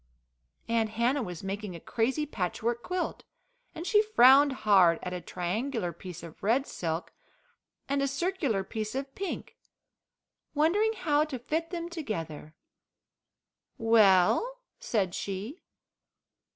Aunt Hannah was making a crazy patchwork quilt, and she frowned hard at a triangular piece of red silk and circular piece of pink, wondering how to fit them together. "Well?" said she.